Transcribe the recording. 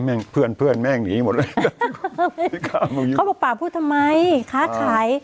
งเพื่อนเพื่อนแม่งหนีหมดเลยเขาบอกป่าพูดทำไมค้าขาย